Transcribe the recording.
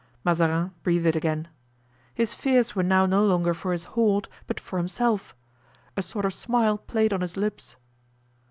Mazarin breathed again. His fears were now no longer for his hoard, but for himself. A sort of smile played on his lips.